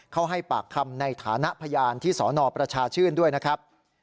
ให้ปากคำในฐานะพยานที่สนประชาชื่นด้วยนะครับ